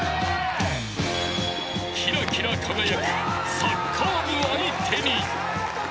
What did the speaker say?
［きらきら輝くサッカー部相手に］